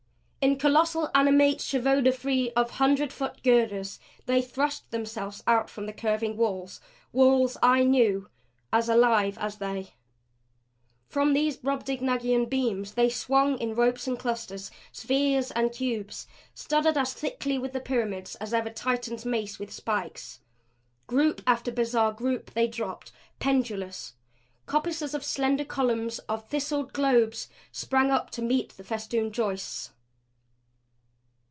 In colossal animate cheveau de frise of hundred foot girders they thrust themselves out from the curving walls walls, I knew, as alive as they! From these Brobdignagian beams they swung in ropes and clusters spheres and cubes studded as thickly with the pyramids as ever Titan's mace with spikes. Group after bizarre group they dropped; pendulous. Coppices of slender columns of thistled globes sprang up to meet the festooned joists.